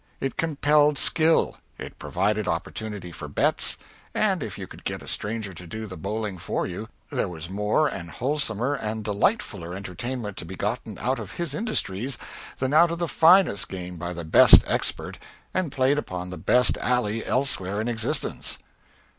It compelled skill; it provided opportunity for bets; and if you could get a stranger to do the bowling for you, there was more and wholesomer and delightfuler entertainment to be gotten out of his industries than out of the finest game by the best expert, and played upon the best alley elsewhere in existence.